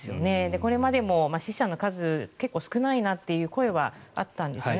これまでも死者の数結構少ないなという声はあったんですよね。